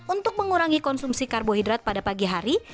untuk mengurangi konsumsi karbohidrat pada pagi hari